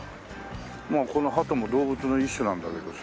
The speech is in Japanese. まあこのハトも動物の一種なんだけどさ。